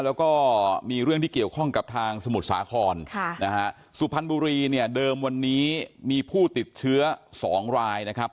แล้วก็มีเรื่องที่เกี่ยวข้องกับทางสมุทรสาครค่ะนะฮะสุพรรณบุรีเนี่ยเดิมวันนี้มีผู้ติดเชื้อสองรายนะครับ